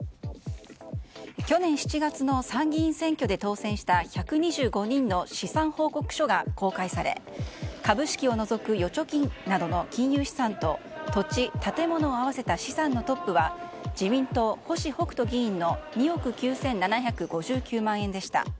去年７月の参議院選挙で当選した１２５人の資産報告書が公開され株式を除く預貯金などの金融資産と土地、建物を合わせた資産のトップは自民党・星北斗議員の２億９７５９万円でした。